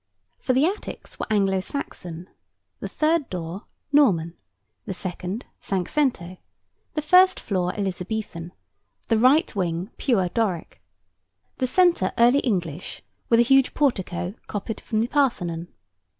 For the attics were Anglo Saxon. The third door Norman. The second Cinque cento. The first floor Elizabethan. The right wing Pure Doric. The centre Early English, with a huge portico copied from the Parthenon.